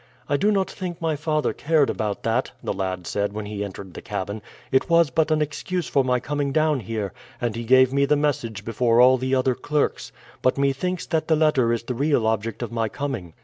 "I do not think my father cared about that," the lad said when he entered the cabin; "it was but an excuse for my coming down here, and he gave me the message before all the other clerks. But methinks that the letter is the real object of my coming."